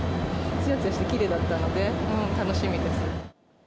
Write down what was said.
つやつやしてきれいだったので楽しみです。